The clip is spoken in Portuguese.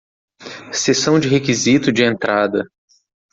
Seção de requisito de entrada